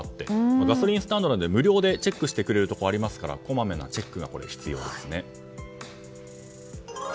ガソリンスタンドなど無料でチェックしてくれるところがあるのでこまめなチェックが必要ですね。